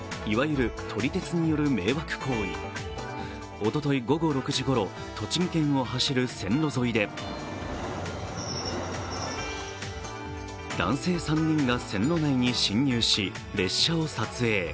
おととい午後６時ごろ、栃木県を走る線路沿いで、男性３人が線路内に侵入し、列車を撮影。